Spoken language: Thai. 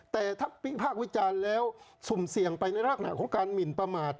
แต่ถ้าวิพากษ์วิจารณ์แล้วสุ่มเสี่ยงไปในลักษณะของการหมินประมาท